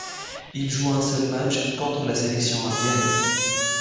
Il joue un seul match, contre la sélection indienne.